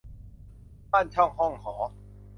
บ้านช่องห้องหอ